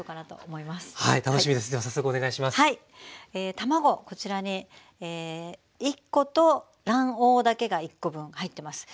卵こちらに１コと卵黄だけが１コ分入ってます。